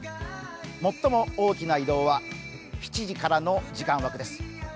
最も大きな移動は７時からの時間枠です。